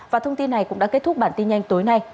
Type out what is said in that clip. và thông tin này cũng đã kết thúc bản tin nhanh tối nay